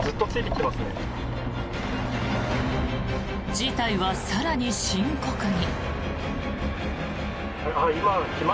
事態は更に深刻に。